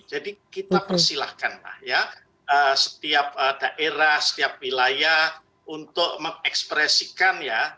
jadi kita persilahkan lah ya setiap daerah setiap wilayah untuk mengekspresikan ya